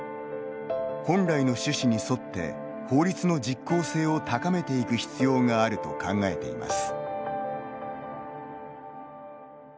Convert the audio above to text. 本来の趣旨に沿って法律の実効性を高めていく必要があると考えています。